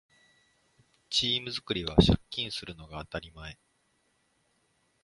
チーム作りは借金するのが当たり前